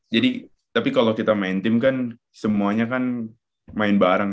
jadi tapi kalau kita main tim kan semuanya kan main bareng